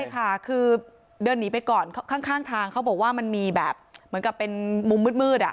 ใช่ค่ะคือเดินหนีไปก่อนข้างทางเขาบอกว่ามันมีแบบเหมือนกับเป็นมุมมืด